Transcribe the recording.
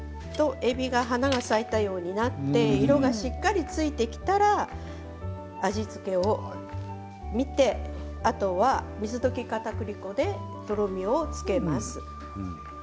えびが花が咲いたようで色がついてきたら味付けを見てそれから、水溶きかたくり粉でとろみをつけます。